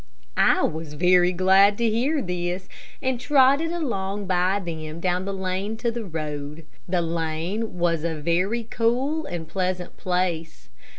I was very glad to hear this, and trotted along by them down the lane to the road. The lane was a very cool and pleasant place.